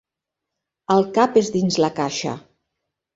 El cap és dins la caixa.